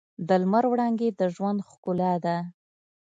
د لمر وړانګې د ژوند ښکلا ده.